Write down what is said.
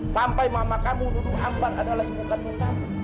sampai mama kamu duduk ambar adalah imukan muka